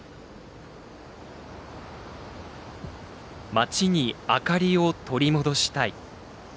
「街に明かりを取り戻したい」。